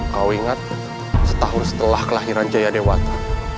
kau ingat setahun setelah kelahiran jaya dewata